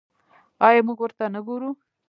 آیا موږ ورته نه ګورو؟